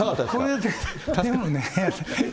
でもね。